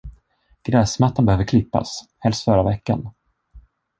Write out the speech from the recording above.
Gräsmattan behöver klippas, helst förra veckan.